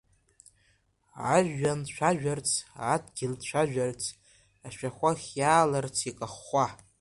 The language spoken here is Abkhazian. Ажәҩан цәажәарц, адгьыл цәажәарц, ашәахәа хиааларц икахәхәа.